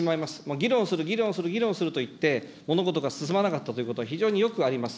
議論をする、議論をする、議論をすると言って物事が進まなかったということは非常によくあります。